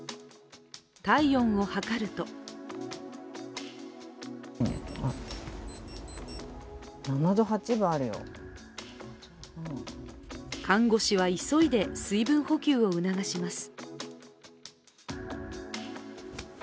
体温を測ると看護師は急いで水分補給を促します。